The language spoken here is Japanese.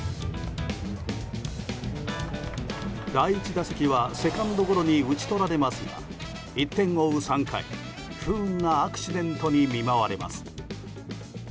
第１打席はセカンドゴロに打ち取られますが１点を追う３回、不運なアクシデントに見舞われます。